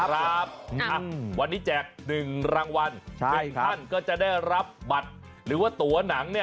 ครับวันนี้แจก๑รางวัล๑ท่านก็จะได้รับบัตรหรือว่าตัวหนังเนี่ย